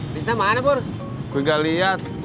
tidak ada apa apa